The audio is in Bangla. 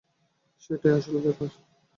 সেটাই আসল ব্যাপার।